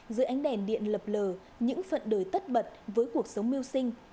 dưới ánh đèn điện lập lờ những phận đời tất bật với cuộc sống mưu sinh